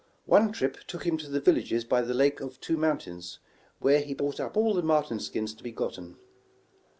One trip took him to the villages by the Lake of Two Mountains, where he bought up all the marten skins to be gotten.